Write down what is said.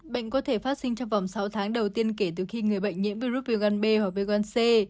bệnh có thể phát sinh trong vòng sáu tháng đầu tiên kể từ khi người bệnh nhiễm virus viêm gan b hoặc viêm gan c